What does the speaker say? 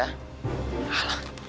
tante tante tunggu